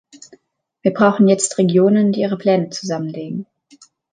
Wir brauchen jetzt Regionen, die ihre Pläne zusammenlegen.